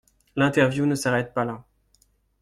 L’interview ne s’arrête pas là.